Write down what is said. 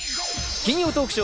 金曜トークショー。